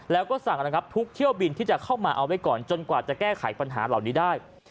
แล้วก็สั่งนะครับทุกเที่ยวบินที่จะเข้ามาเอาไว้ก่อนจนกว่าจะแก้ไขปัญหาเหล่านี้ได้